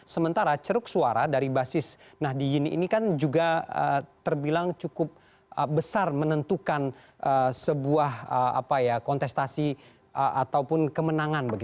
sementara ceruk suara dari basis nahdi gini ini juga terbilang cukup besar menentukan sebuah kontestasi atau kemenangan